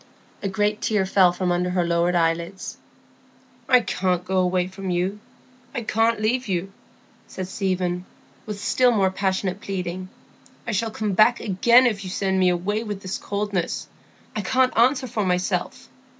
A great tear fell from under her lowered eyelids. "I can't go away from you; I can't leave you," said Stephen, with still more passionate pleading. "I shall come back again if you send me away with this coldness; I can't answer for myself.